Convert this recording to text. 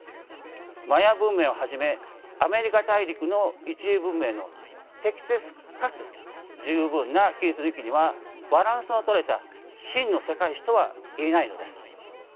マヤ文明をはじめアメリカ大陸の一次文明の適切かつ十分な記述抜きにはバランスの取れた真の世界史とはいえないのです。